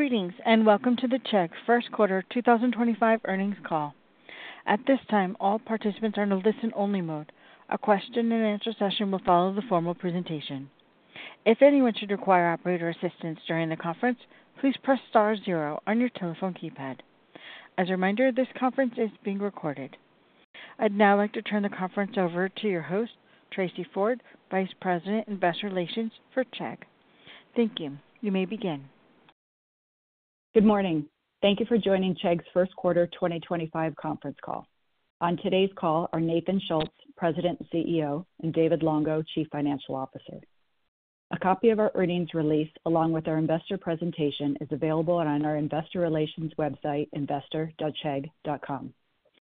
Greetings and welcome to the Chegg First Quarter 2025 Earnings Call. At this time, all participants are in a listen-only mode. A question-and-answer session will follow the formal presentation. If anyone should require operator assistance during the conference, please press star zero on your telephone keypad. As a reminder, this conference is being recorded. I'd now like to turn the conference over to your host, Tracey Ford, Vice President of Investor Relations for Chegg. Thank you. You may begin. Good morning. Thank you for joining Chegg's First Quarter 2025 conference call. On today's call are Nathan Schultz, President and CEO, and David Longo, Chief Financial Officer. A copy of our earnings release along with our investor presentation is available on our investor relations website, investor.chegg.com.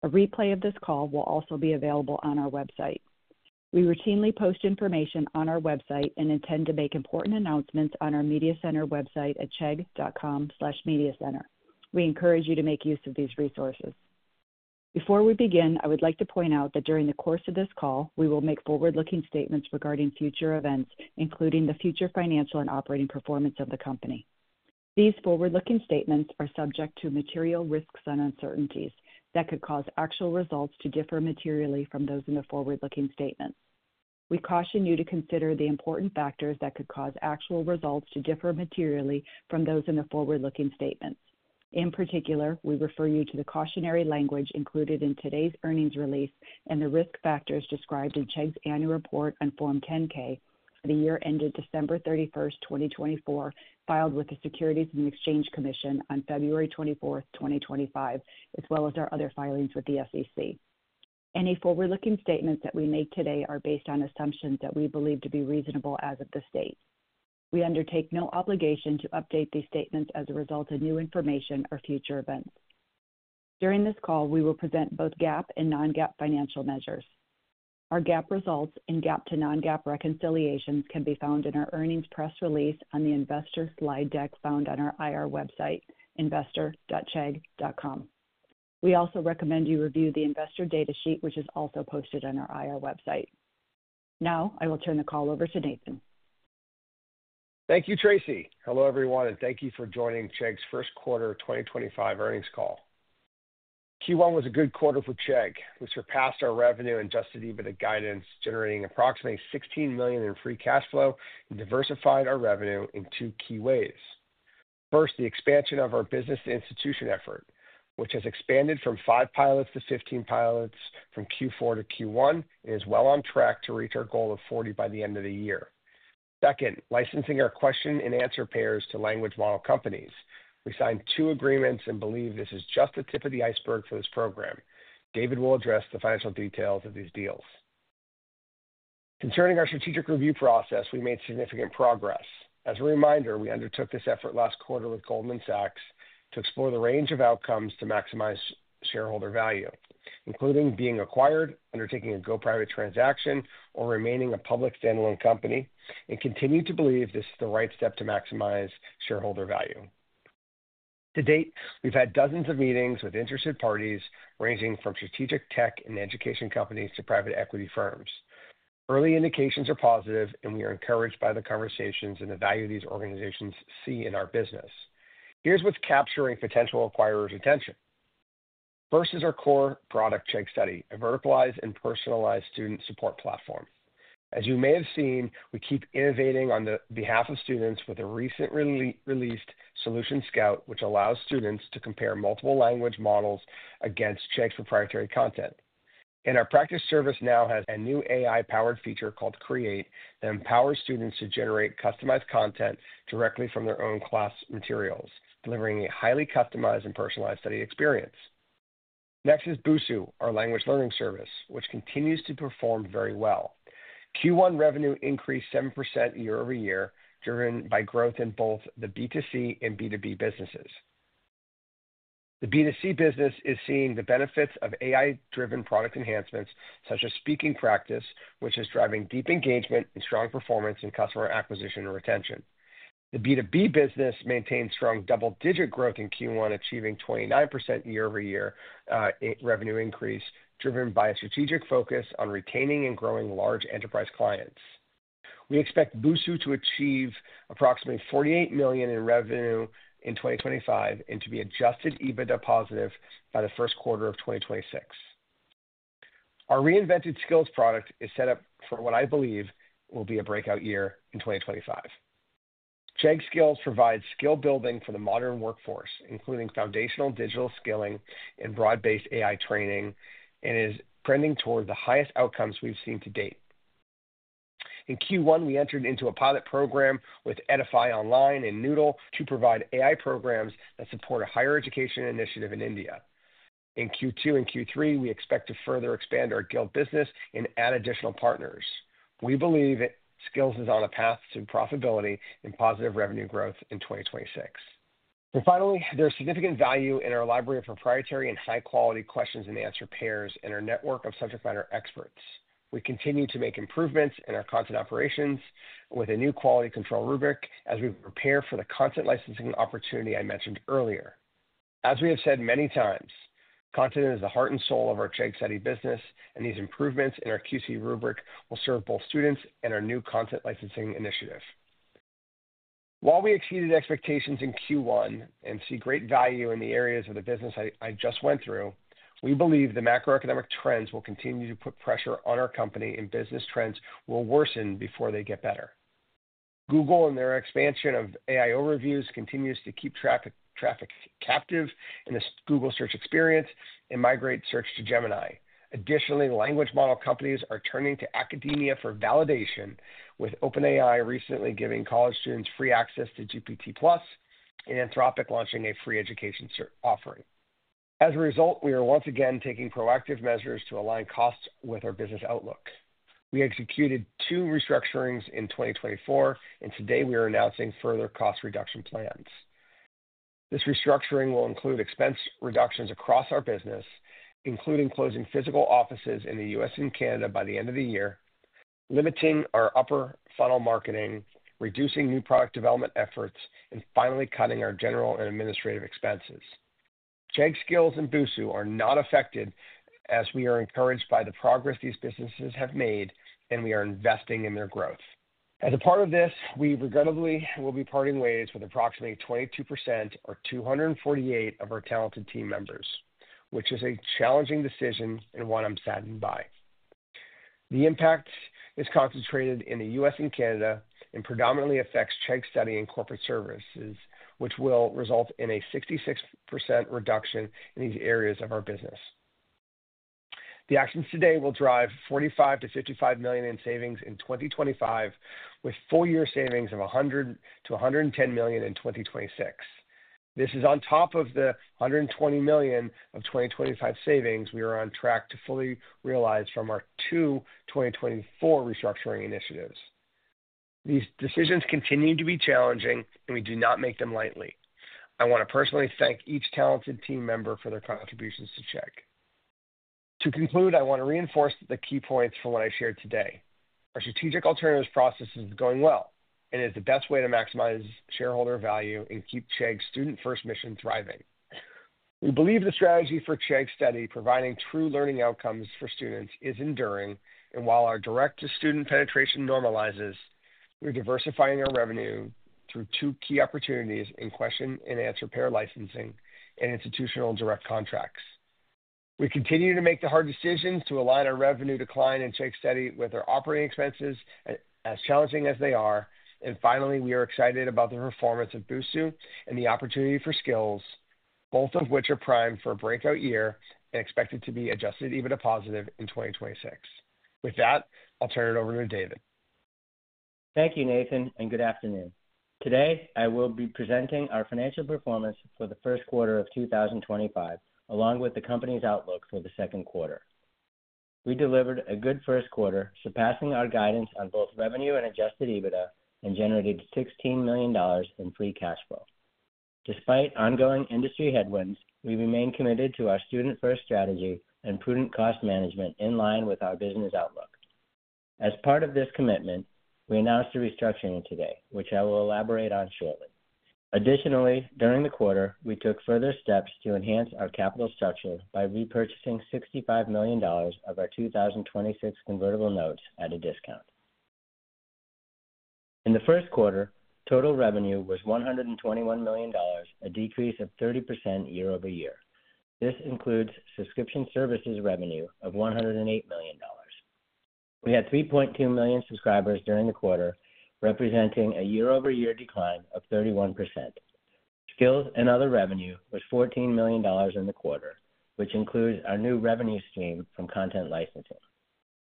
A replay of this call will also be available on our website. We routinely post information on our website and intend to make important announcements on our media center website at chegg.com/mediacenter. We encourage you to make use of these resources. Before we begin, I would like to point out that during the course of this call, we will make forward-looking statements regarding future events, including the future financial and operating performance of the company. These forward-looking statements are subject to material risks and uncertainties that could cause actual results to differ materially from those in the forward-looking statements. We caution you to consider the important factors that could cause actual results to differ materially from those in the forward-looking statements. In particular, we refer you to the cautionary language included in today's earnings release and the risk factors described in Chegg's annual report on Form 10-K for the year ended December 31, 2024, filed with the Securities and Exchange Commission on February 24, 2025, as well as our other filings with the SEC. Any forward-looking statements that we make today are based on assumptions that we believe to be reasonable as of this date. We undertake no obligation to update these statements as a result of new information or future events. During this call, we will present both GAAP and non-GAAP financial measures. Our GAAP results and GAAP to non-GAAP reconciliations can be found in our earnings press release on the investor slide deck found on our IR website, investor.chegg.com. We also recommend you review the investor data sheet, which is also posted on our IR website. Now, I will turn the call over to Nathan. Thank you, Tracey. Hello, everyone, and thank you for joining Chegg's First Quarter 2025 Earnings Call. Q1 was a good quarter for Chegg. We surpassed our revenue and adjusted EBITDA guidance, generating approximately $16 million in free cash flow and diversified our revenue in two key ways. First, the expansion of our business-to-institution effort, which has expanded from five pilots to 15 pilots from Q4 to Q1 and is well on track to reach our goal of 40 by the end of the year. Second, licensing our question-and-answer pairs to language model companies. We signed two agreements and believe this is just the tip of the iceberg for this program. David will address the financial details of these deals. Concerning our strategic review process, we made significant progress. As a reminder, we undertook this effort last quarter with Goldman Sachs to explore the range of outcomes to maximize shareholder value, including being acquired, undertaking a go-private transaction, or remaining a public standalone company, and continue to believe this is the right step to maximize shareholder value. To date, we've had dozens of meetings with interested parties ranging from strategic tech and education companies to private equity firms. Early indications are positive, and we are encouraged by the conversations and the value these organizations see in our business. Here's what's capturing potential acquirers' attention. First is our core product, Chegg Study, a verticalized and personalized student support platform. As you may have seen, we keep innovating on the behalf of students with a recently released Solution Scout, which allows students to compare multiple language models against Chegg's proprietary content. Our practice service now has a new AI-powered feature called Create that empowers students to generate customized content directly from their own class materials, delivering a highly customized and personalized study experience. Next is Busuu, our language learning service, which continues to perform very well. Q1 revenue increased 7% year over year, driven by growth in both the B2C and B2B businesses. The B2C business is seeing the benefits of AI-driven product enhancements, such as speaking practice, which is driving deep engagement and strong performance in customer acquisition and retention. The B2B business maintains strong double-digit growth in Q1, achieving 29% year over year revenue increase, driven by a strategic focus on retaining and growing large enterprise clients. We expect Busuu to achieve approximately $48 million in revenue in 2025 and to be adjusted EBITDA positive by the first quarter of 2026. Our reinvented Skills product is set up for what I believe will be a breakout year in 2025. Chegg Skills provides skill-building for the modern workforce, including foundational digital skilling and broad-based AI training, and is trending toward the highest outcomes we have seen to date. In Q1, we entered into a pilot program with Edify Online and Noodle to provide AI programs that support a higher education initiative in India. In Q2 and Q3, we expect to further expand our guild business and add additional partners. We believe that Skills is on a path to profitability and positive revenue growth in 2026. There is significant value in our library of proprietary and high-quality question-and-answer pairs and our network of subject matter experts. We continue to make improvements in our content operations with a new quality control rubric as we prepare for the content licensing opportunity I mentioned earlier. As we have said many times, content is the heart and soul of our Chegg Study business, and these improvements in our QC rubric will serve both students and our new content licensing initiative. While we exceeded expectations in Q1 and see great value in the areas of the business I just went through, we believe the macroeconomic trends will continue to put pressure on our company, and business trends will worsen before they get better. Google and their expansion of AI overviews continues to keep traffic captive in the Google search experience and migrate search to Gemini. Additionally, language model companies are turning to academia for validation, with OpenAI recently giving college students free access to GPT-plus and Anthropic launching a free education offering. As a result, we are once again taking proactive measures to align costs with our business outlook. We executed two restructurings in 2024, and today we are announcing further cost reduction plans. This restructuring will include expense reductions across our business, including closing physical offices in the U.S. and Canada by the end of the year, limiting our upper-funnel marketing, reducing new product development efforts, and finally cutting our general and administrative expenses. Chegg Skills and Busuu are not affected, as we are encouraged by the progress these businesses have made, and we are investing in their growth. As a part of this, we regrettably will be parting ways with approximately 22% or 248 of our talented team members, which is a challenging decision and one I'm saddened by. The impact is concentrated in the U.S. and Canada and predominantly affects Chegg Study and corporate services, which will result in a 66% reduction in these areas of our business. The actions today will drive $45 million-$55 million in savings in 2025, with full-year savings of $100 million-$110 million in 2026. This is on top of the $120 million of 2025 savings we are on track to fully realize from our two 2024 restructuring initiatives. These decisions continue to be challenging, and we do not make them lightly. I want to personally thank each talented team member for their contributions to Chegg. To conclude, I want to reinforce the key points from what I shared today. Our strategic alternatives process is going well and is the best way to maximize shareholder value and keep Chegg's student-first mission thriving. We believe the strategy for Chegg Study, providing true learning outcomes for students, is enduring, and while our direct-to-student penetration normalizes, we're diversifying our revenue through two key opportunities in question-and-answer pair licensing and institutional direct contracts. We continue to make the hard decisions to align our revenue decline in Chegg Study with our operating expenses, as challenging as they are. Finally, we are excited about the performance of Busuu and the opportunity for Skills, both of which are primed for a breakout year and expected to be adjusted EBITDA positive in 2026. With that, I'll turn it over to David. Thank you, Nathan, and good afternoon. Today, I will be presenting our financial performance for the first quarter of 2025, along with the company's outlook for the second quarter. We delivered a good first quarter, surpassing our guidance on both revenue and adjusted EBITDA, and generated $16 million in free cash flow. Despite ongoing industry headwinds, we remain committed to our student-first strategy and prudent cost management in line with our business outlook. As part of this commitment, we announced the restructuring today, which I will elaborate on shortly. Additionally, during the quarter, we took further steps to enhance our capital structure by repurchasing $65 million of our 2026 convertible notes at a discount. In the first quarter, total revenue was $121 million, a decrease of 30% year over year. This includes subscription services revenue of $108 million. We had 3.2 million subscribers during the quarter, representing a year-over-year decline of 31%. Skills and other revenue was $14 million in the quarter, which includes our new revenue stream from content licensing.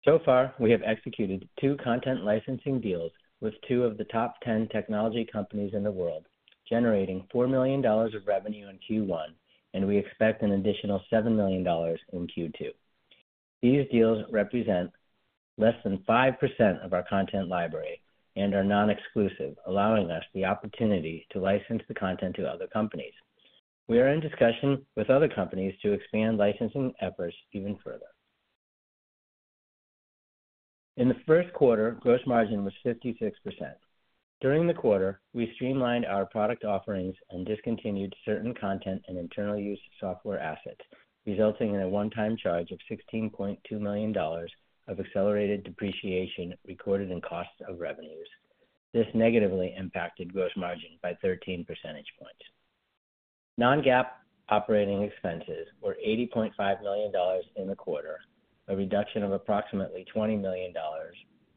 So far, we have executed two content licensing deals with two of the top 10 technology companies in the world, generating $4 million of revenue in Q1, and we expect an additional $7 million in Q2. These deals represent less than 5% of our content library and are non-exclusive, allowing us the opportunity to license the content to other companies. We are in discussion with other companies to expand licensing efforts even further. In the first quarter, gross margin was 56%. During the quarter, we streamlined our product offerings and discontinued certain content and internal-use software assets, resulting in a one-time charge of $16.2 million of accelerated depreciation recorded in costs of revenues. This negatively impacted gross margin by 13 percentage points. Non-GAAP operating expenses were $80.5 million in the quarter, a reduction of approximately $20 million,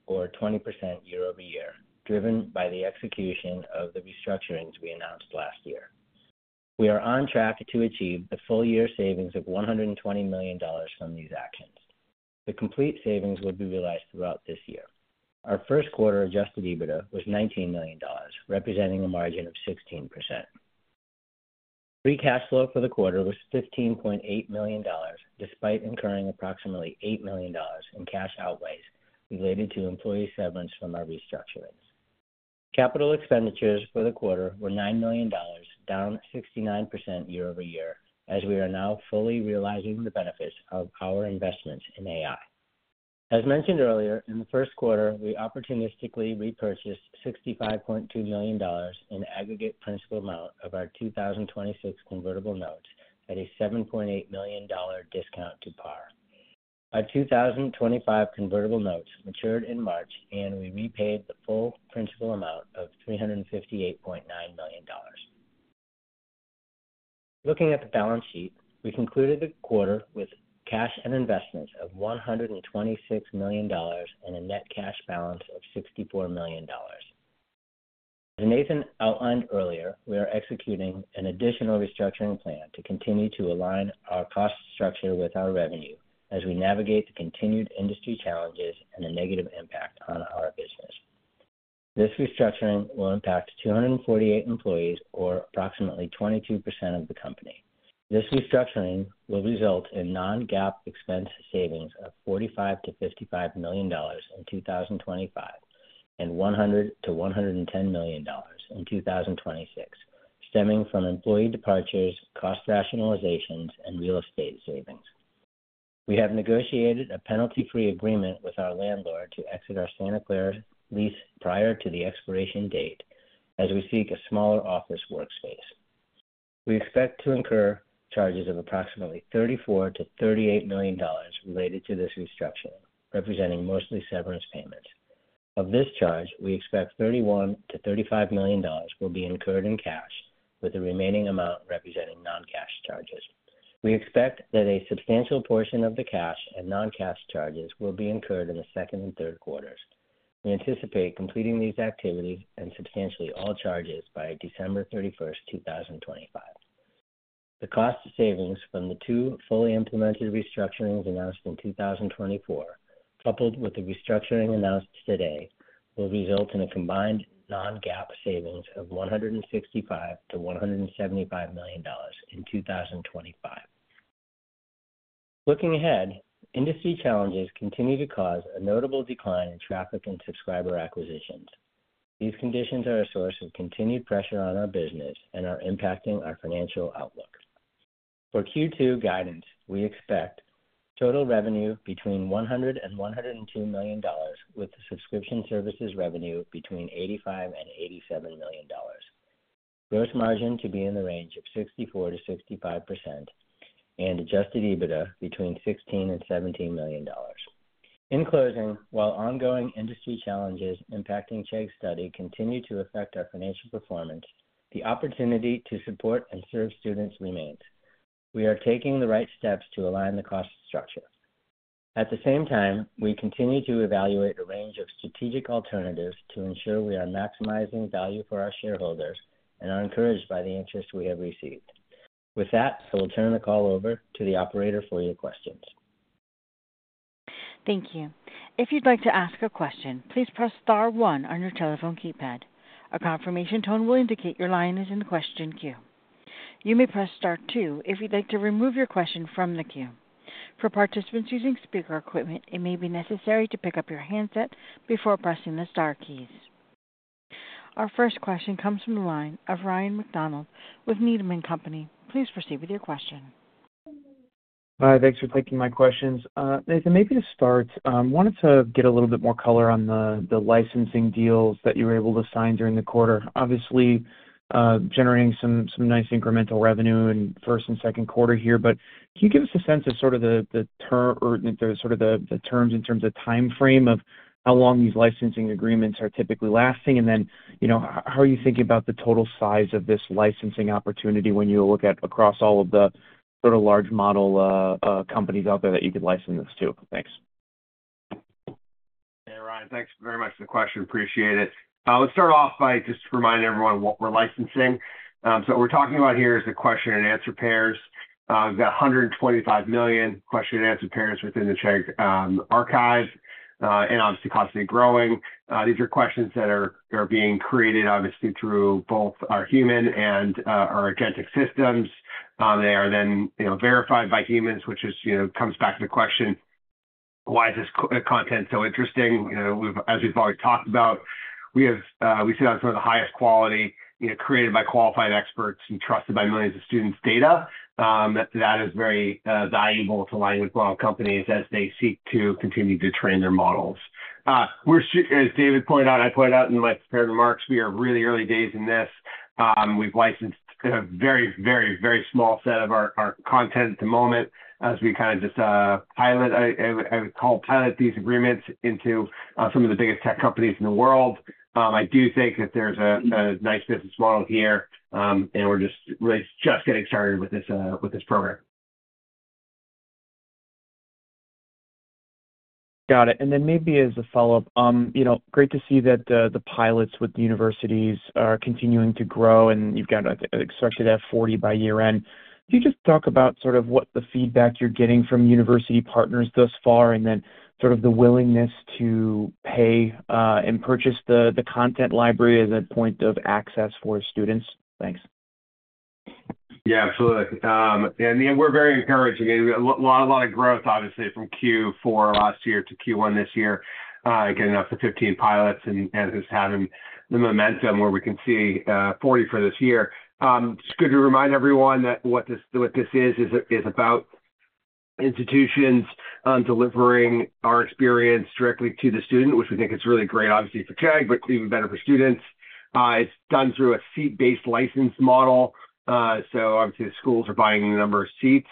or 20% year over year, driven by the execution of the restructurings we announced last year. We are on track to achieve the full-year savings of $120 million from these actions. The complete savings will be realized throughout this year. Our first quarter adjusted EBITDA was $19 million, representing a margin of 16%. Free cash flow for the quarter was $15.8 million, despite incurring approximately $8 million in cash outlays related to employee severance from our restructurings. Capital expenditures for the quarter were $9 million, down 69% year over year, as we are now fully realizing the benefits of our investments in AI. As mentioned earlier, in the first quarter, we opportunistically repurchased $65.2 million in aggregate principal amount of our 2026 convertible notes at a $7.8 million discount to par. Our 2025 convertible notes matured in March, and we repaid the full principal amount of $358.9 million. Looking at the balance sheet, we concluded the quarter with cash and investments of $126 million and a net cash balance of $64 million. As Nathan outlined earlier, we are executing an additional restructuring plan to continue to align our cost structure with our revenue as we navigate the continued industry challenges and the negative impact on our business. This restructuring will impact 248 employees, or approximately 22% of the company. This restructuring will result in non-GAAP expense savings of $45-$55 million in 2025 and $100-$110 million in 2026, stemming from employee departures, cost rationalizations, and real estate savings. We have negotiated a penalty-free agreement with our landlord to exit our Santa Clara lease prior to the expiration date, as we seek a smaller office workspace. We expect to incur charges of approximately $34-$38 million related to this restructuring, representing mostly severance payments. Of this charge, we expect $31-$35 million will be incurred in cash, with the remaining amount representing non-cash charges. We expect that a substantial portion of the cash and non-cash charges will be incurred in the second and third quarters. We anticipate completing these activities and substantially all charges by December 31, 2025. The cost savings from the two fully implemented restructurings announced in 2024, coupled with the restructuring announced today, will result in a combined non-GAAP savings of $165-$175 million in 2025. Looking ahead, industry challenges continue to cause a notable decline in traffic and subscriber acquisitions. These conditions are a source of continued pressure on our business and are impacting our financial outlook. For Q2 guidance, we expect total revenue between $100 and $102 million, with subscription services revenue between $85 and $87 million, gross margin to be in the range of 64-65%, and adjusted EBITDA between $16 and $17 million. In closing, while ongoing industry challenges impacting Chegg Study continue to affect our financial performance, the opportunity to support and serve students remains. We are taking the right steps to align the cost structure. At the same time, we continue to evaluate a range of strategic alternatives to ensure we are maximizing value for our shareholders and are encouraged by the interest we have received. With that, I will turn the call over to the operator for your questions. Thank you. If you'd like to ask a question, please press star one on your telephone keypad. A confirmation tone will indicate your line is in question queue. You may press star two if you'd like to remove your question from the queue. For participants using speaker equipment, it may be necessary to pick up your handset before pressing the Star keys. Our first question comes from the line of Ryan McDonald with Needham & Company. Please proceed with your question. Hi, thanks for taking my questions. Nathan, maybe to start, I wanted to get a little bit more color on the licensing deals that you were able to sign during the quarter. Obviously, generating some nice incremental revenue in first and second quarter here, but can you give us a sense of sort of the terms in terms of timeframe of how long these licensing agreements are typically lasting? Then how are you thinking about the total size of this licensing opportunity when you look at across all of the sort of large model companies out there that you could license this to? Thanks. Hey, Ryan, thanks very much for the question. Appreciate it. I'll start off by just reminding everyone what we're licensing. What we're talking about here is the question-and-answer pairs. We've got 125 million question-and-answer pairs within the Chegg archive, and obviously, constantly growing. These are questions that are being created, obviously, through both our human and our agentic systems. They are then verified by humans, which comes back to the question, why is this content so interesting? As we've already talked about, we sit on some of the highest quality created by qualified experts and trusted by millions of students' data. That is very valuable to line with well-known companies as they seek to continue to train their models. As David pointed out, I pointed out in my prepared remarks, we are really early days in this. We've licensed a very, very small set of our content at the moment as we kind of just pilot, I would call it pilot these agreements into some of the biggest tech companies in the world. I do think that there's a nice business model here, and we're just really just getting started with this program. Got it. Maybe as a follow-up, great to see that the pilots with the universities are continuing to grow, and you've got, I expected, at 40 by year-end. Can you just talk about sort of what the feedback you're getting from university partners thus far, and then sort of the willingness to pay and purchase the content library as a point of access for students? Thanks. Yeah, absolutely. We're very encouraging. A lot of growth, obviously, from Q4 last year to Q1 this year, getting up to 15 pilots, and just having the momentum where we can see 40 for this year. Just good to remind everyone that what this is, is about institutions delivering our experience directly to the student, which we think is really great, obviously, for Chegg, but even better for students. It's done through a seat-based license model. Obviously, the schools are buying the number of seats.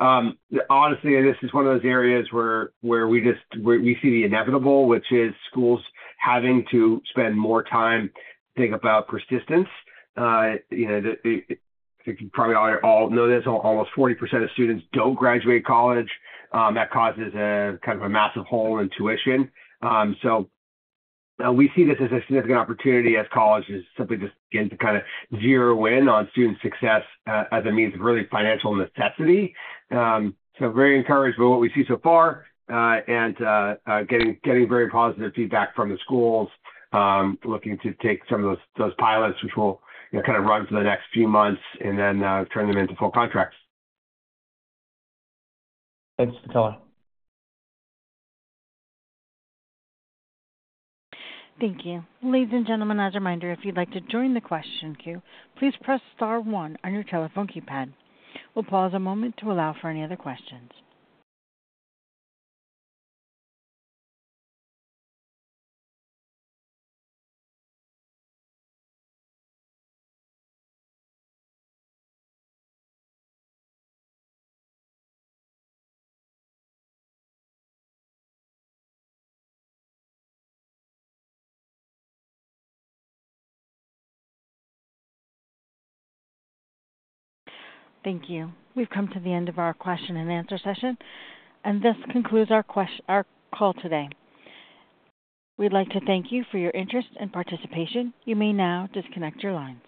Honestly, this is one of those areas where we see the inevitable, which is schools having to spend more time thinking about persistence. You probably all know this. Almost 40% of students don't graduate college. That causes kind of a massive hole in tuition. We see this as a significant opportunity as colleges simply just begin to kind of zero in on student success as a means of really financial necessity. Very encouraged by what we see so far and getting very positive feedback from the schools, looking to take some of those pilots, which will kind of run for the next few months, and then turn them into full contracts. Thanks for the color. Thank you. Ladies and gentlemen, as a reminder, if you'd like to join the question queue, please press star one on your telephone keypad. We'll pause a moment to allow for any other questions. Thank you. We've come to the end of our question and answer session, and this concludes our call today. We'd like to thank you for your interest and participation. You may now disconnect your lines.